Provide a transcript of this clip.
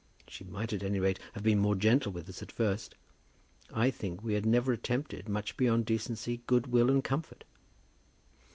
She might, at any rate, have been more gentle with us at first. I think we had never attempted much beyond decency, good will and comfort.